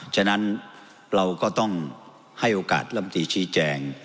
ฉะนั้นเราก็ต้องให้โอกาสลำตีชี้แจง